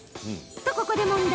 と、ここで問題。